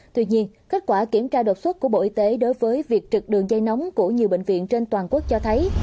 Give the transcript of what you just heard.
tuy nhiên kết quả kiểm tra đột xuất của bộ y tế đối với việc trực đường dây nóng của nhiều bệnh viện trên toàn quốc cho thấy